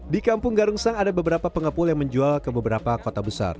di kampung garungsang ada beberapa pengepul yang menjual ke beberapa kota besar